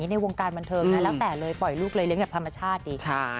อ๋อได้